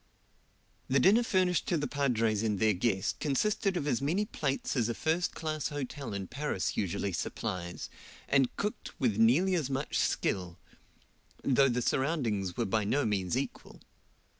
The dinner furnished to the padres and their guest consisted of as many plats as a first class hotel in Paris usually supplies, and cooked with nearly as much skill, though the surroundings were by no means equal.